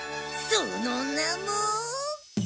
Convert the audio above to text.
その名も！